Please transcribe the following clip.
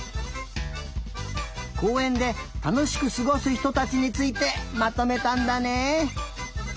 こうえんでたのしくすごすひとたちについてまとめたんだね。